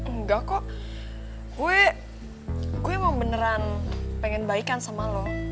enggak kok gue mau beneran pengen baikan sama lo